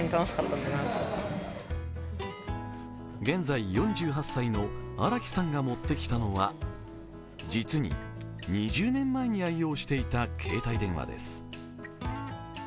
現在４８歳の荒木さんが持ってきたのは実に２０年前に愛用していた携帯電話です。